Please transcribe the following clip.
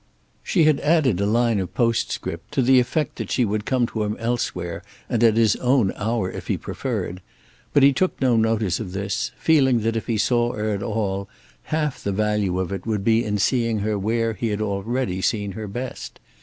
She had added a line of postscript, to the effect that she would come to him elsewhere and at his own hour if he preferred; but he took no notice of this, feeling that if he saw her at all half the value of it would be in seeing her where he had already seen her best.